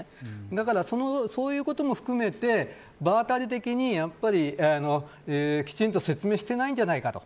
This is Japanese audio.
だからそういうことも含めて場当たり的にきちんと説明してないんじゃないかと。